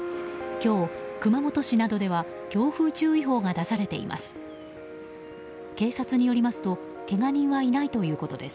今日、熊本市などでは強風注意報が出されています。